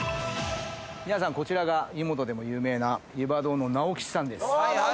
皆さんこちらが湯本でも有名な湯葉丼の直吉さんです。